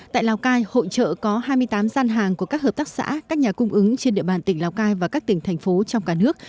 tại lào cai hội trợ có hai mươi tám gian hàng của các hợp tác xã các nhà cung ứng trên địa bàn tỉnh lào cai và các tỉnh thành phố trong cả nước